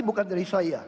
bukan dari saya